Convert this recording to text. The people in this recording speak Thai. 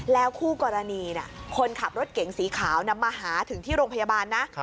แล้วคู่กรณีคนขับรถเก๋งสีขาวนำมาหาถึงที่โรงพยาบาลนะ